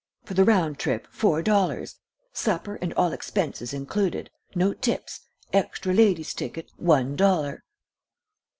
For the Round Trip, Four Dollars. Supper and All Expenses Included. No Tips. Extra Lady's Ticket, One Dollar.'"